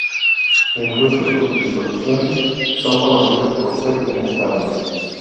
Incluso sus disoluciones son conocidas por ser inestables.